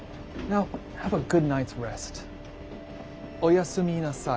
おやすみなさい。